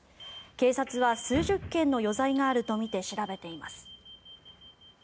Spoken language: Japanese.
警察は数十件の余罪があるとみて調べています。